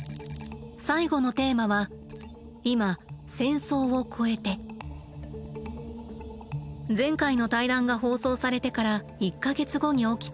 最後のテーマは前回の対談が放送されてから１か月後に起きた。